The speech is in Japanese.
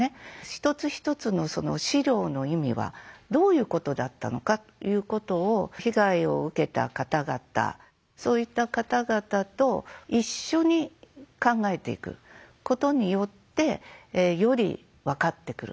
一つ一つの資料の意味はどういうことだったのかということを被害を受けた方々そういった方々と一緒に考えていくことによってより分かってくる。